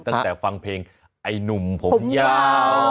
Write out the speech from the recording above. ตั้งแต่ฟังเพลงไอ้หนุ่มผมยาว